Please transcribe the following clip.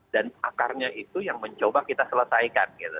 dan akarnya itu yang mencoba kita selesaikan